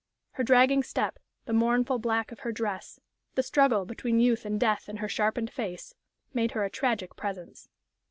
Her dragging step, the mournful black of her dress, the struggle between youth and death in her sharpened face, made her a tragic presence.